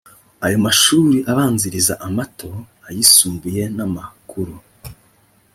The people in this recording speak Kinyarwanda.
ayo mashuri abanziriza amato, ayisumbuye n’amakuru